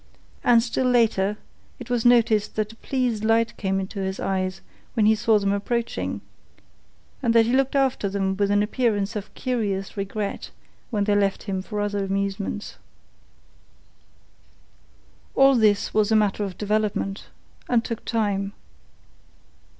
And still later, it was noticed that a pleased light came into his eyes when he saw them approaching, and that he looked after them with an appearance of curious regret when they left him for other amusements. All this was a matter of development, and took time.